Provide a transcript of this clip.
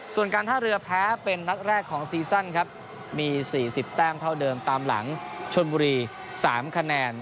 ส่วนการท่าเรือแพ้เป็นนัดแรกของซีซั่นครับมี๔๐แต้มเท่าเดิมตามหลังชนบุรี๓คะแนน